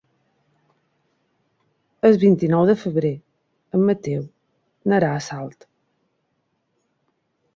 El vint-i-nou de febrer en Mateu anirà a Salt.